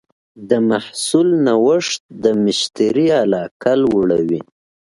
د محصول نوښت د مشتری علاقه لوړوي.